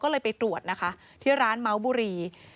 ก็เลยไปตรวจนะคะที่ร้านเมาส์บุรี